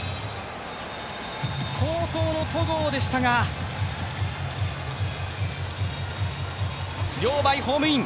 好投の戸郷でしたが、リョウ・バイ、ホームイン。